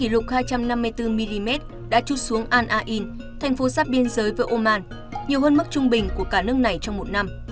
lượng mưa kỷ lục hai trăm năm mươi bốn mm đã chút xuống an ain thành phố sắp biên giới với oman nhiều hơn mức trung bình của cả nước này trong một năm